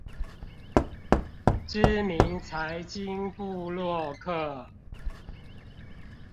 知名財經部落客